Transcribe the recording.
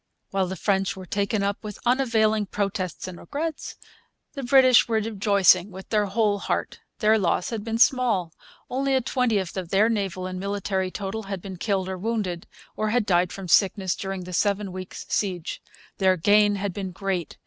While the French were taken up with unavailing protests and regrets the British were rejoicing with their whole heart. Their loss had been small. Only a twentieth of their naval and military total had been killed or wounded, or had died from sickness, during the seven weeks' siege. Their gain had been great.